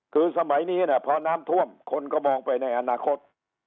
คือสมัยนี้พอน้ำท่วมคนก็มองไปในอนาคต